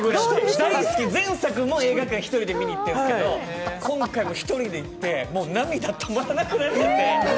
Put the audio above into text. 大好き、前作も１人で映画見にいったんですけど、今回も１人で行って、涙止まらなくなりまして。